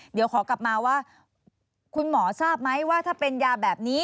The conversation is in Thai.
เดี๋ยวขอกลับมาว่าคุณหมอทราบไหมว่าถ้าเป็นยาแบบนี้